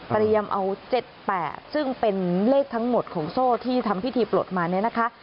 เตรียมเอา๗๘ซึ่งเป็นเลขทั้งหมดของโซ่ที่ทำพิธีปลดมาเนี่ยนะคะ